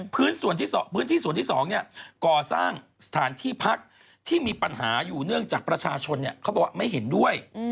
พื้นที่ส่วนที่๒ก่อสร้างสถานที่พักที่มีปัญหาอยู่เนื่องจากประชาชนเขาบอกว่าไม่เห็นด้วย